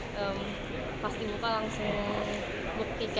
kekuatiran pasti ada tapi ya selama kita tetap mencoba